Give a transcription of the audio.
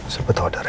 siapa tau ada reina